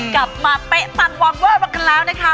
กลับมาเป๊ะตันวาเวอร์มากันแล้วนะคะ